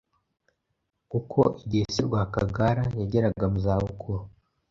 kuko igihe se Rwakagara yageraga mu za bukuru,